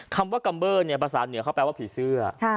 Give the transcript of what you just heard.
คำว่ากัมเบอร์เนี่ยภาษาเหนือเขาแปลว่าผีเสื้อ